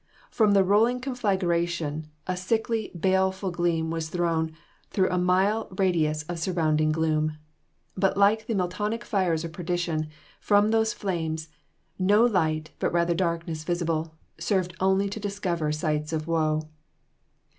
From the roaring conflagration, a sickly, baleful gleam was thrown through a mile radius of surrounding gloom; but like the Miltonic fires of perdition, from those flames "No light, but rather darkness visible, Served only to discover sights of woe."